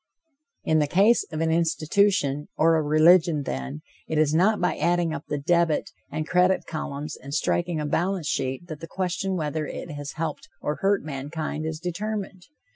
In the case of an institution or a religion, then, it is not by adding up the debit and credit columns and striking a balance sheet that the question whether it has helped or hurt mankind is to be determined.